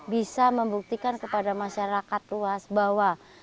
bisa membuktikan kepada masyarakat luas bahwa